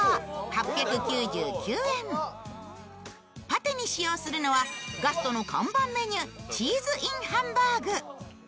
パテに使用するのはガストの看板メニュー、チーズＩＮハンバーグ。